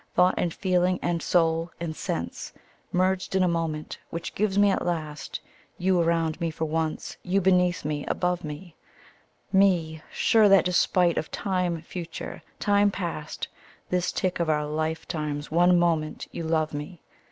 Thought and feeling and soul and sense — Merged in a moment which gives me at last You around me for once, you beneath me, above me — Me— sure that despite of time future, time past, — This tick of our life time 's one moment you love me